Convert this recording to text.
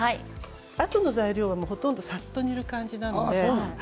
あとの材料はほとんどさっと煮る感じなので。